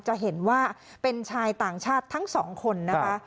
จะเห็นว่าเป็นชายต่างชาติทั้งสองคนนะคะ